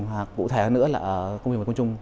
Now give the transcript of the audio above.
hoặc cụ thể hơn nữa là công nghiệp mật quân trung